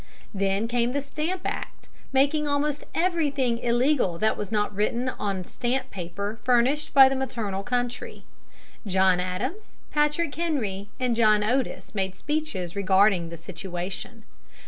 Then came the Stamp Act, making almost everything illegal that was not written on stamp paper furnished by the maternal country. John Adams, Patrick Henry, and John Otis made speeches regarding the situation.